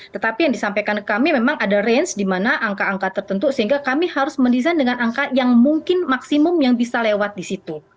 tetapi yang disampaikan ke kami memang ada range di mana angka angka tertentu sehingga kami harus mendesain dengan angka yang mungkin maksimum yang bisa lewat di situ